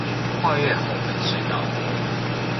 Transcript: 跨越吼門水道